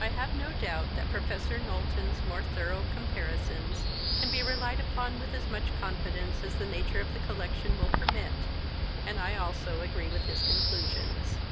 I have no doubt that Professor Knowlton's more thorough comparisons can be relied upon with as much confidence as the nature of the collection will permit, and I also agree with his conclusions.